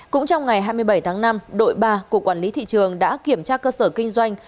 cũng trong ngày hai mươi bảy tháng năm đội ba cục quản lý thị trường đã kiểm tra cơ sở kinh doanh